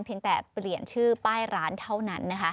แต่เปลี่ยนชื่อป้ายร้านเท่านั้นนะคะ